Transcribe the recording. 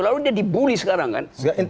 lalu dia dibully sekarang kan